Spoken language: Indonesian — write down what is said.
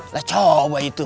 nah coba itu